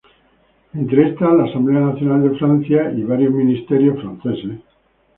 Entre estas, la Asamblea Nacional de Francia y varios ministerios franceses.